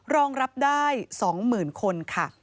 รองรับได้๒๐๐๐๐คน